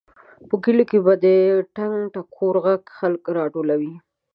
په کلیو کې به د ټنګ ټکور غږ خلک راټولول.